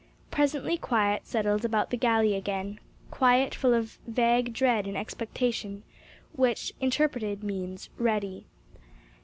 Presently quiet settled about the galley again; quiet full of vague dread and expectation, which, interpreted, means READY.